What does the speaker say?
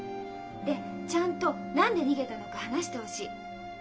でちゃんと何で逃げたのか話してほしい。